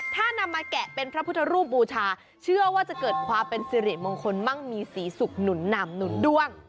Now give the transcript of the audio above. ถ้านำมาแกะเป็นพระพุทธรูปบูชาเชื่อว่าจะเกิดความเป็นสิริมงคลมั่งมีสีสุขหนุนนำหนุนด้วง